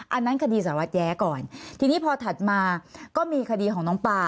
อันนั้นคดีสารวัตรแย้ก่อนทีนี้พอถัดมาก็มีคดีของน้องปลา